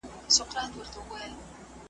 په اولاد به یې د ښکار ګټي خوړلې .